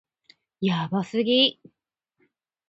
やばすぎ